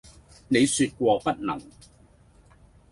你説過不能。」